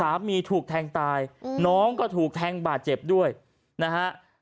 ถูกแทงตายน้องก็ถูกแทงบาดเจ็บด้วยนะฮะ